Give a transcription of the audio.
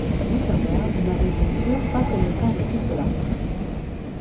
Gutenberg n'avait bien sûr pas connaissance de tout cela.